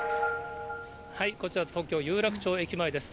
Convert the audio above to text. こちら、東京・有楽町駅前です。